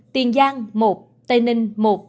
tiền giang một tây ninh một